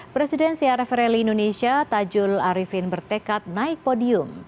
presiden crf rally indonesia tajul arifin bertekad naik podium